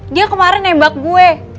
dia kemarin nembak gue